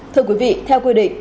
thưa quý vị theo quy định